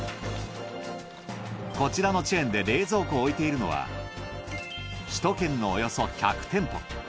こちらのチェーンで冷蔵庫を置いているのは首都圏のおよそ１００店舗。